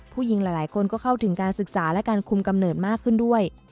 ผู้หญิงหลายคนก็เข้าถึงการศึกษาและการคุมกำเนิดมากขึ้นด้วย